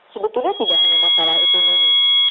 sebetulnya tidak hanya masalah ekonomi